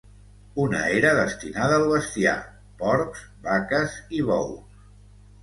Una era destinada al bestiar: porcs, vaques i bous.